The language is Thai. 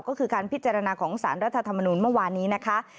ก็คือการพิจารณาของสารรัฐธรรมนุนเมื่อวานนี้นะคะ